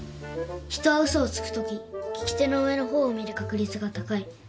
人は嘘をつくとき利き手の上の方を見る確率が高い